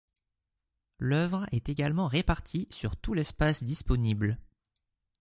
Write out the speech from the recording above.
L'oeuvre est également répartie sur tout l'espace disponible.